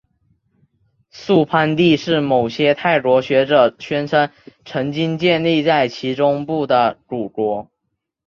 素攀地是某些泰国学者宣称曾经建立在其中部的古国。